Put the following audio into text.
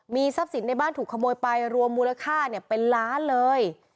มีทรัพย์สิทธิ์ในบ้านถูกขโมยไปรวมมูลค่าเนี่ยเป็นล้านเลย